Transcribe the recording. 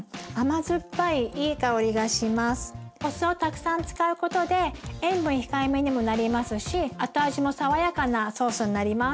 お酢をたくさん使うことで塩分控えめにもなりますし後味も爽やかなソースになります。